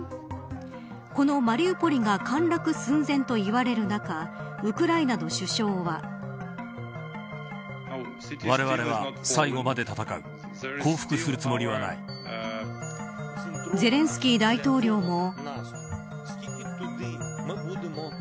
このマリウポリが陥落寸前といわれる中ウクライナの首相はゼレンスキー大統領も。